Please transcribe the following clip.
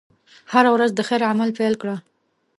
هره ورځ د خیر عمل پيل کړه.